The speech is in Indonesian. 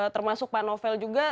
termasuk panovel juga